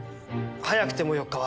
早くても４日は。